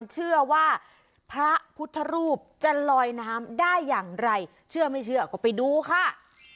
เชื่อว่าพระพุทธรูปจะลอยน้ำได้อย่างไรเชื่อไม่เชื่อก็ไปดูค่ะ